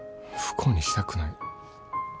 不幸にしたくない。